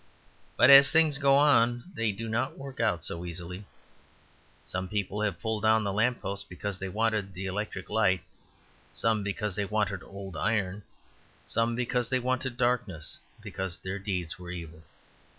But as things go on they do not work out so easily. Some people have pulled the lamp post down because they wanted the electric light; some because they wanted old iron; some because they wanted darkness, because their deeds were evil.